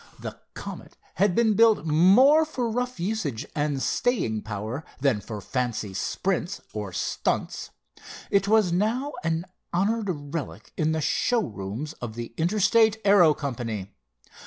The Comet had been built more for rough usage and staying power, than for fancy sprints or stunts. It was now an honored relic in the show rooms of the Interstate Aero Company.